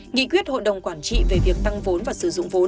nghị quyết hội đồng quản trị về việc tăng vốn và sử dụng vốn